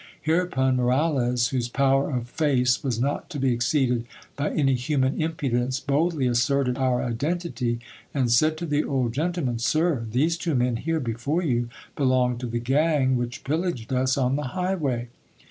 Hereupon Moralez, whose power of face was not to be exceeded by any human impudence, boldly asserted our identity, and said to the old gentleman — Sir, these two men here before you belong to the gang which pillaged us on the highway.